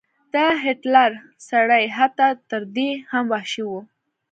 دا هټلر سړی حتی تر دې هم وحشي و.